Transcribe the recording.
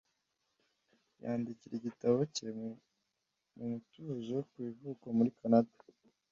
yandikira igitabo cye mu mutuzo ku ivuko muri kanada